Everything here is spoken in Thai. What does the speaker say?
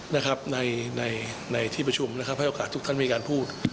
นะครับในที่ประชุมนะครับให้โอกาสทั้งดีกับท่านมากอยากพูด